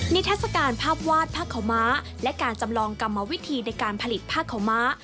ทัศกาลภาพวาดผ้าขาวม้าและการจำลองกรรมวิธีในการผลิตผ้าขาวม้า